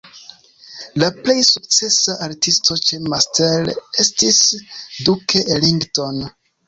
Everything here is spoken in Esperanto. La plej sukcesa artisto ĉe Master estis Duke Ellington.